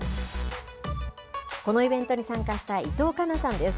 このイベントに参加した伊藤加奈さんです。